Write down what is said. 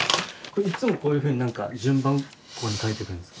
いっつもこういうふうに何か順番こに描いてるんですか？